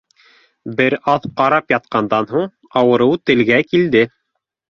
Бер аҙ ҡарап ятҡандан һуң, ауырыу телгә килде: